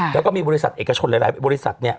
แล้วก็มีบริษัทเอกชนหลายบริษัท